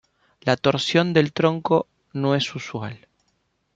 La torsión del tronco no es usual.